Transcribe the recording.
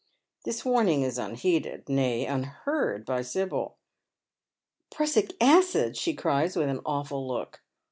This warning is unheeded, nay, unheard by Sibyl. " Prussic acid !" she cries, with an awful look.